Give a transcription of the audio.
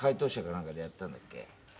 なんかでやったんだっけ？